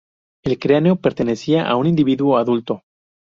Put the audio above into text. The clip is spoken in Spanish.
El cráneo pertenecía a un individuo adulto.